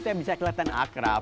saya bisa keleten akrab